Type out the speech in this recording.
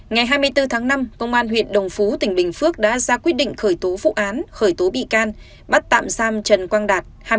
ngày hai mươi bốn tháng năm công an huyện đồng phú tỉnh bình phước đã ra quyết định khởi tố vụ án khởi tố bị can bắt tạm giam trần quang đạt